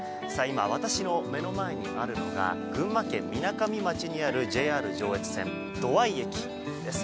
私の目の前にあるのが群馬県みなかみ町にあるＪＲ上越線土合駅です。